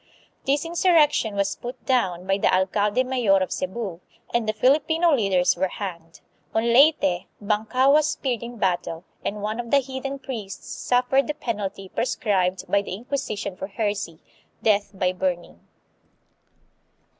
This insurrection was put down by the alcalde mayor of Cebu and the Filipino leaders were hanged. On Leyte, Bankao was speared in battle, and one of the heathen priests suffered the penalty prescribed by the Inquisition for heresy death by burning.